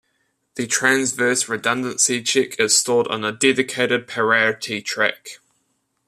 The transverse redundancy check is stored on a dedicated "parity track".